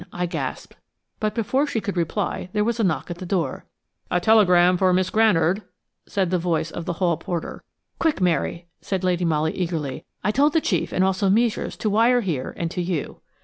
I gasped. But before she could reply there was a knock at the door. "A telegram for Miss Granard," said the voice of the hall porter. "Quick, Mary," said Lady Molly, eagerly. "I told the chief and also Meisures to wire here and to you."